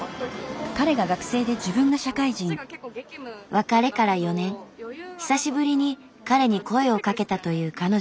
別れから４年久しぶりに彼に声をかけたという彼女。